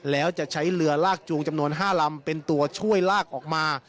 แล้วจะใช้เรือลากจูงจำนวน๕ลำเป็นตัวช่วยลากออกมา